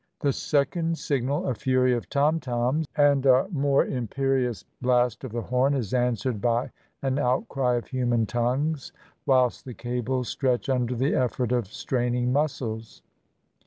"The second signal, a fury of tom toms, and a more im perious blast of the horn, is answered by an outcry of human tongues, whilst the cables stretch under the effort of strain ing muscles.